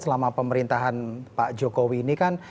selama pemerintahan pak jokowi ini kan